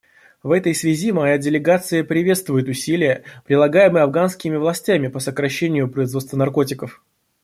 В этой связи моя делегация приветствует усилия, прилагаемые афганскими властями, по сокращению производства наркотиков.